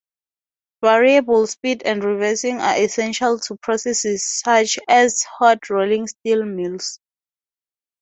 Variable speed and reversing are essential to processes such as hot-rolling steel mills.